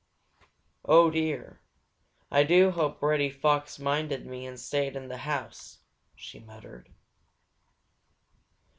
"Oh dear, I do hope Reddy Fox minded me and stayed in the house," she muttered.